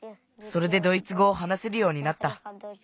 それでドイツごをはなせるようになった。